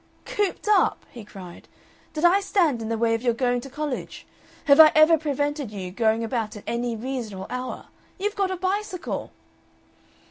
"Cooped up!" he cried. "Did I stand in the way of your going to college? Have I ever prevented you going about at any reasonable hour? You've got a bicycle!"